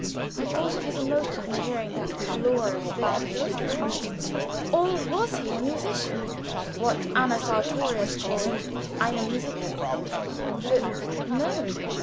I thought of his emotion at hearing that glorious Bach music. Or was he a musician what Anna Sartorius called ein Musiker? But no.